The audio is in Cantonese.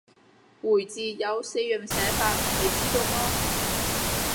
回字有四樣寫法，你知道麼？